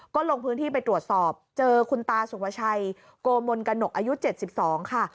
ก็ลงพื้นที่ไปตรวจสอบเจอคุณตาสุภาชัยโกมนกระหนกอายุ๗๒ค่ะ